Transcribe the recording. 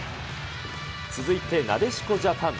続いてなでしこジャパン。